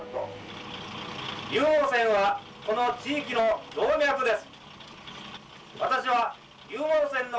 湧網線はこの地域の動脈です。